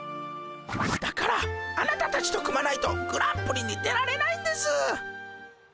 だからあなたたちと組まないとグランプリに出られないんです。